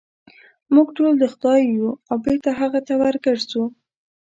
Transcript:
موږ ټول د خدای یو او بېرته هغه ته ورګرځو.